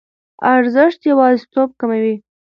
ارزښت یوازیتوب کموي.